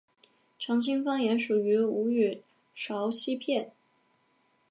长兴方言属于吴语苕溪片。